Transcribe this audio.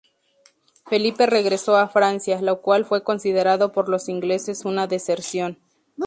Felipe regresó a Francia, lo cual fue considerado por los ingleses una deserción.